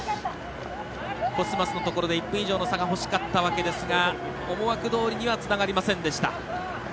コスマスのところで、１分以上の差が欲しかったわけですが思惑通りにはつながりませんでした。